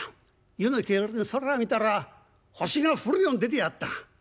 湯の帰りで空見たら星が降るように出てやがった。